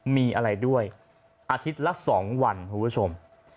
มีอะไรด้วยอาทิตย์ละ๒วันคุณผู้ชม